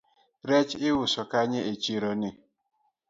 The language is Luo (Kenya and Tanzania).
Rech iuso kanye e chironi